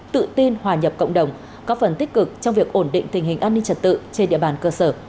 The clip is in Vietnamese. tự tin hòa nhập cộng đồng có phần tích cực trong việc ổn định tình hình an ninh trật tự trên địa bàn cơ sở